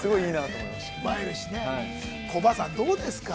コバさん、どうですか。